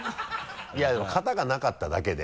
いやでも型がなかっただけで。